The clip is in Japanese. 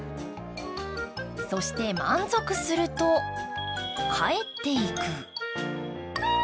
そして、満足すると、帰っていく。